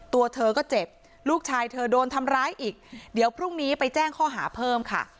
ตัวเธอก็เจ็บลูกชายเธอโดนทำร้ายอีกเดี๋ยวพรุ่งนี้ไปแจ้งข้อหาเพิ่มค่ะ